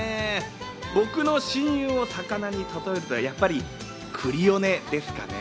僕の親友を魚に例えるとやっぱりクリオネですかね。